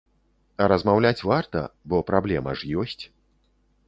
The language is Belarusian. А размаўляць варта, бо праблема ж ёсць.